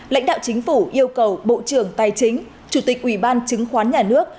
lãnh đạo chính phủ yêu cầu bộ trưởng tài chính chủ tịch ủy ban chứng khoán nhà nước